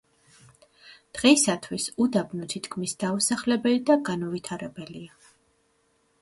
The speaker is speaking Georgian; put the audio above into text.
დღეისათვის, უდაბნო თითქმის დაუსახლებელი და განუვითარებელია.